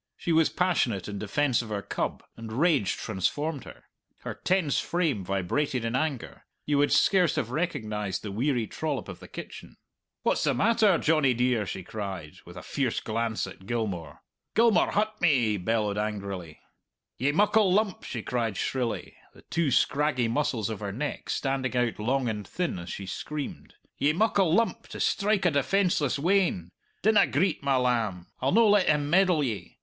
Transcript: She was passionate in defence of her cub, and rage transformed her. Her tense frame vibrated in anger; you would scarce have recognized the weary trollop of the kitchen. "What's the matter, Johnny dear?" she cried, with a fierce glance at Gilmour. "Gilmour hut me!" he bellowed angrily. "Ye muckle lump!" she cried shrilly, the two scraggy muscles of her neck standing out long and thin as she screamed; "ye muckle lump to strike a defenceless wean! Dinna greet, my lamb; I'll no let him meddle ye.